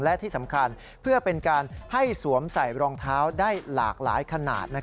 และที่สำคัญเพื่อเป็นการให้สวมใส่รองเท้าได้หลากหลายขนาด